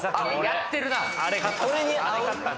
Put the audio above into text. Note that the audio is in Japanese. やってるなあれ買った？